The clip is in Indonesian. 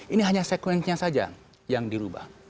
ini hanya sekuensinya saja yang dirubah